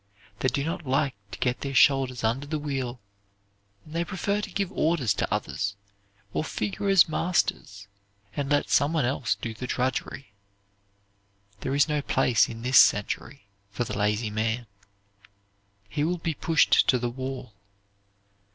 They do not like to get their shoulders under the wheel, and they prefer to give orders to others, or figure as masters, and let some one else do the drudgery. There is no place in this century for the lazy man. He will be pushed to the wall.